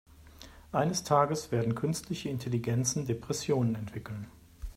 Eines Tages werden künstliche Intelligenzen Depressionen entwickeln.